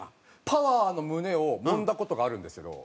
パワーの胸を揉んだ事があるんですけど。